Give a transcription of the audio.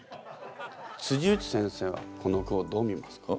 内先生はこの句をどう見ますか？